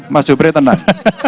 mas jupri tenang